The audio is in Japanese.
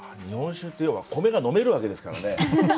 日本酒って要は米が飲めるわけですからね。